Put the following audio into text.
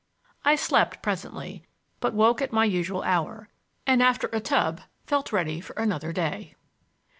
I slept presently, but woke at my usual hour, and after a tub felt ready for another day.